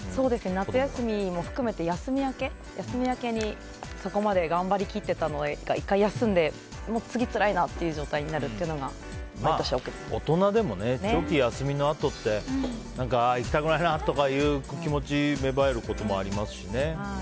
夏休みも含めて、休み明けにそこまで頑張り切っていたのが１回休んで、次つらいなっていう状態になるっていうのが大人でも長期休みのあとって行きたくないなっていう気持ちが芽生えることもありますよね。